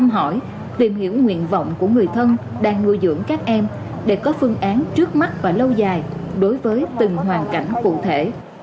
tìm hiểu nguyện vọng của người thân đang nuôi dưỡng các em để có phương án trước mắt và lâu dài đối với từng hoàn cảnh cụ thể